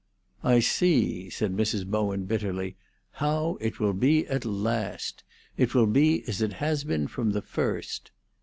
"I see," said Mrs. Bowen bitterly, "how it will be at last. It will be as it has been from the first."